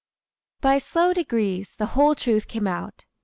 By slow degrees the whole truth came out.